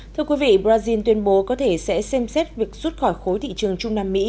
thưa quý vị brazil tuyên bố có thể sẽ xem xét việc rút khỏi khối thị trường trung nam mỹ